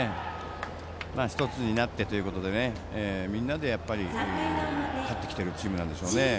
１つになってということでみんなで勝ってきているチームなんでしょうね。